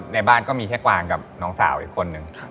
ในบ้านก็มีแค่กวางกับน้องสาวอีกคนนึง